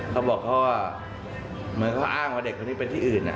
เขาบอกเขาว่าเหมือนเขาอ้างว่าเด็กคนนี้เป็นที่อื่น